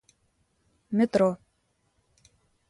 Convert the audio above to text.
метро